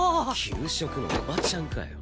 給食のおばちゃんかよ。